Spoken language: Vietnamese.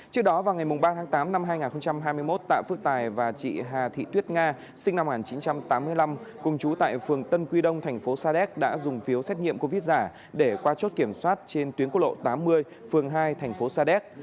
trước đó vào ngày ba tháng tám năm hai nghìn hai mươi một tạ phước tài và chị hà thị tuyết nga sinh năm một nghìn chín trăm tám mươi năm cùng chú tại phường tân quy đông thành phố sa đéc đã dùng phiếu xét nghiệm covid giả để qua chốt kiểm soát trên tuyến quốc lộ tám mươi phường hai thành phố sa đéc